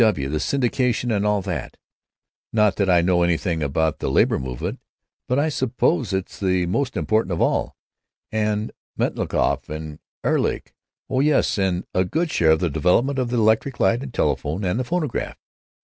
W. and syndicalism and all that—not that I know anything about the labor movement, but I suppose it's the most important of all. And Metchnikoff and Ehrlich. Oh yes, and a good share of the development of the electric light and telephone and the phonograph....